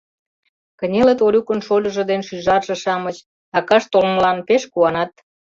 Кынелыт Олюкын шольыжо ден шӱжарже-шамыч, акашт толмылан пеш куанат.